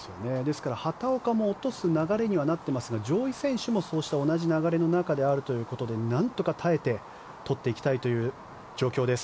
畑岡も落とす流れにはなっていますが上位選手もそうした同じ流れの中であるということで何とか耐えて取っていきたいという状況です。